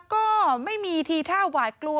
ก็ไม่มีทีท่าหวาดกลัว